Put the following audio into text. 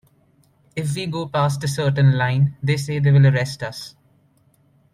If we go past a certain line, they say they will arrest us.